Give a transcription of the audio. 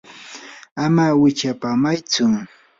ama wichyapamaytsu.